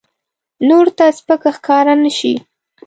نورو ته سپک ښکاره نه شي.